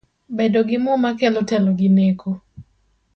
Bedo gi muma kelo telo gi neko